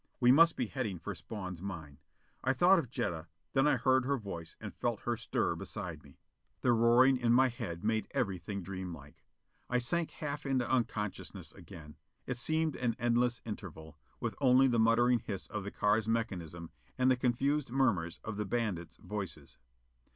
We must be heading for Spawn's mine. I thought of Jetta. Then I heard her voice and felt her stir beside me. The roaring in my head made everything dreamlike. I sank half into unconsciousness again. It seemed an endless interval, with only the muttering hiss of the car's mechanism and the confused murmurs of the bandits' voices.